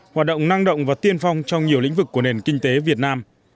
hoạt động năng động và tiên phong trong nhiều lĩnh vực của nền kinh tế việt nam